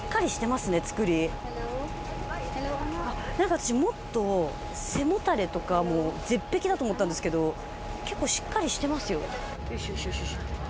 私もっと背もたれとか絶壁だと思ったんですけど結構しっかりしてますよ。